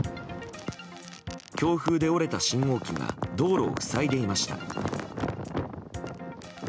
強風で折れた信号機が道路を塞いでいました。